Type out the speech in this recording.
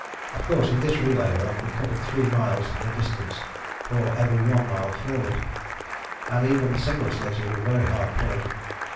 Of course in this relay work we covered three miles in distance for every one mile forward, and even the single sledges were very hard pulling.